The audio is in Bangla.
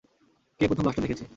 কে প্রথম লাশটা দেখেছে?